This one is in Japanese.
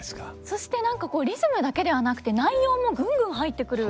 そして何かリズムだけではなくて内容もぐんぐん入ってくる。